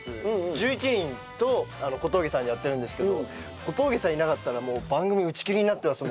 １１人と小峠さんでやってるんですけど小峠さんいなかったら番組打ち切りになってます